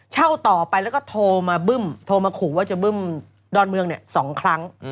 เช่าต่อไปแล้วก็โทรมาบึ้มโทรมาขู่ว่าจะบึ้มดอนเมือง๒ครั้ง